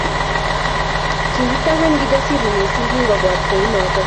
Kitangany Kijasiri missing kingobwat kounoto